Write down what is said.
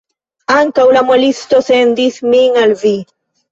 Ankaŭ la muelisto sendis min al vi.